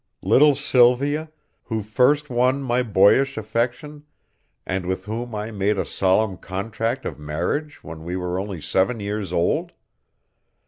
Little Sylvia, who first won my boyish affection, and with whom I made a solemn contract of marriage when we were only seven years old?